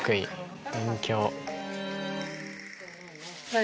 はい。